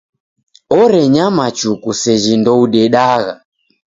Orenyama chuku seji ndoudedagha.